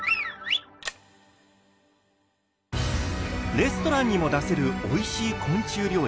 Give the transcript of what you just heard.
レストランにも出せるおいしい昆虫料理。